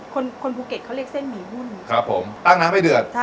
คนคนภูเก็ตเขาเรียกเส้นหมี่หุ้นครับผมตั้งน้ำให้เดือด